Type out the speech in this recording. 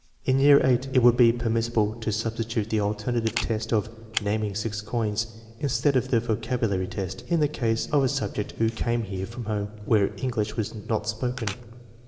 In year VIII, it would be permissible to substitute the alternative test of naming six coins, instead of the vocabulary test, in the case of a sub ject who came from a home where English was not spoken.